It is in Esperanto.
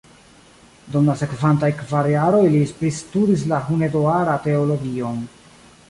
Dum la sekvantaj kvar jaroj li pristudis en Hunedoara teologion.